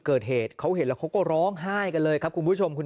เกิดเหตุเขาเห็นแล้วเขาก็ร้องไห้กันเลยครับคุณผู้ชมคุณ